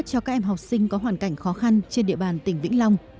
cho các em học sinh có hoàn cảnh khó khăn trên địa bàn tỉnh vĩnh long